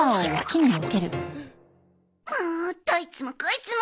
もうどいつもこいつも！